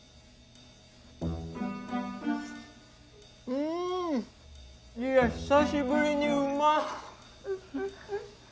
うーん！いや久しぶりにうまっ！